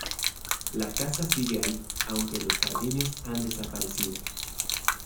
La casa sigue ahí, aunque los jardines han desaparecido.